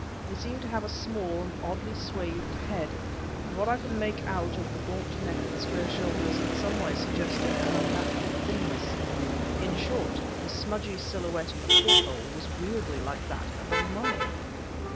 He seemed to have a small, and oddly swathed head, and what I could make out of the gaunt neck and square shoulders in some way suggested an unnatural thinness; in short, the smudgy silhouette in the porthole was weirdly like that of a mummy!